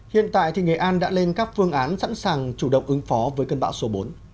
hiện tại thì nghệ an đã lên các phương án sẵn sàng chủ động ứng phó với cơn bão số bốn